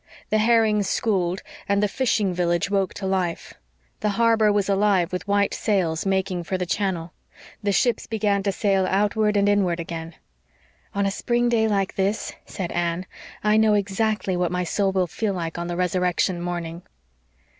The herring schooled and the fishing village woke to life. The harbor was alive with white sails making for the channel. The ships began to sail outward and inward again. "On a spring day like this," said Anne, "I know exactly what my soul will feel like on the resurrection morning."